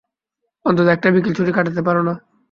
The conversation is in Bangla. অন্তত একটা বিকেল ছুটি কাটাতে পারো না?